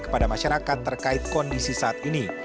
kepada masyarakat terkait kondisi saat ini